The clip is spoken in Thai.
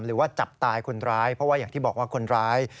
หรือว่าจับตายคนร้ายเพราะว่าอย่างที่บอกว่าคนร้าย